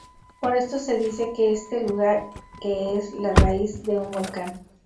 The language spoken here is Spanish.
Por esto se dice qu este lugar que es la raíz de un volcán.